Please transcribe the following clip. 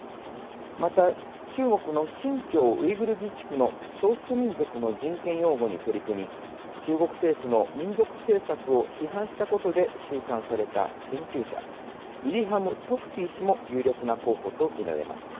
また中国の新疆ウイグル自治区の少数民族の人権擁護に取り組み中国政府の民族政策を批判したことで収監された研究者イリハム・トフティ氏も有力な候補とみられます。